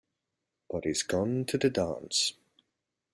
But he's gone to the dance.